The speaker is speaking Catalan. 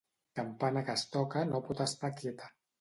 Campana que es toca no pot estar quieta.